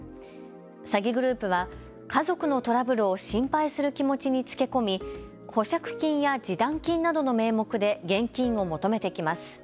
詐欺グループは家族のトラブルを心配する気持ちにつけ込み保釈金や示談金などの名目で現金を求めてきます。